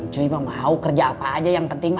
saya mau kerja apa saja yang pentingnya